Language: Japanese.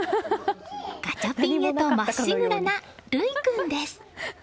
ガチャピンへとまっしぐらな琉生君です。